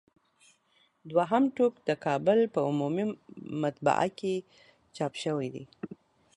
دوهم ټوک د کابل په عمومي مطبعه کې چاپ شوی دی.